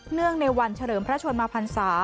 เนื่องในวันเฉลิมพระชนมภัณภาษา